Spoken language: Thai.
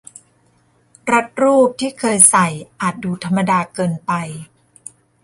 รัดรูปที่เคยใส่อาจดูธรรมดาเกินไป